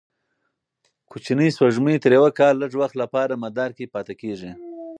کوچنۍ سپوږمۍ تر یوه کال لږ وخت لپاره مدار کې پاتې کېږي.